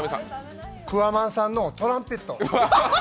桑マンさんのトランペット。